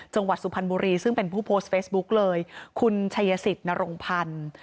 จังหวัดสุพรรณบุรีซึ่งเป็นผู้โพสต์เฟซบุ๊กเลยคุณชัยสิทธิ์นรงพันธ์